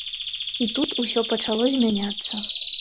І тут усё пачало змяняцца.